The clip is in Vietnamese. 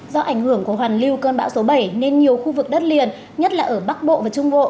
do ảnh hưởng của hoàn lưu cơn bão số bảy nên nhiều khu vực đất liền nhất là ở bắc bộ và trung bộ